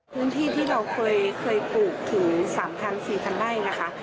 พื้นที่ที่เราเคยปลูกถึง๓๐๐๔๐๐ไร่นะคะ